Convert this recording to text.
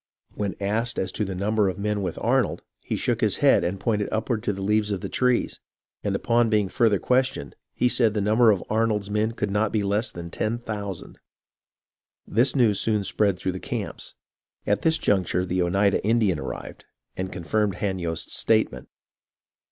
When asked as to the number of men with Arnold, he shook his head and pointed upward to the leaves of the trees ; and upon being further questioned, he said the number of Arnold's men could not be less than ten thousand. " This news soon spread through the camps. At this juncture the Oneida [Indian] arrived, and confirmed Hanyost's statement.